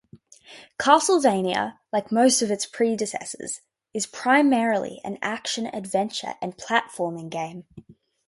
"Castlevania", like most of its predecessors, is primarily an action-adventure and platforming game.